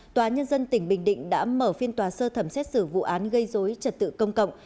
tòa nhân dân tỉnh bình định đã mở phiên tòa sơ thẩm xét xử vụ án gây dối trật tự công cộng